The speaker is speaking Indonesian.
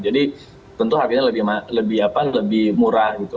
jadi tentu harganya lebih murah gitu